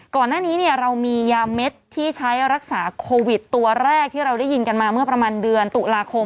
ก่อนหน้านี้เรามียาเม็ดที่ใช้รักษาโควิดตัวแรกที่เราได้ยินกันมาเมื่อประมาณเดือนตุลาคม